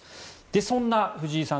そんな藤井さん